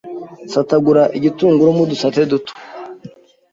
Satagura igitunguru mo udusate duto